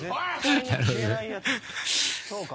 そうか。